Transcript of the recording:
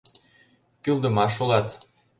Кӱлдымаш улат!..